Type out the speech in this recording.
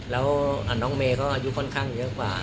แล้วน้องเมย์ก็อายุค่อนข้างเยอะกว่า